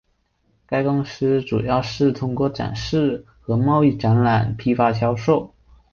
该公司主要是通过展示和贸易展览批发销售。